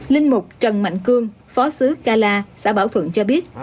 linh mục trần mạnh cương phó sứ kala xã bảo thuận cho biết